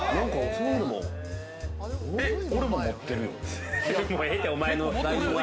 俺も持ってるよ。